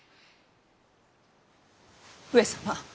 上様。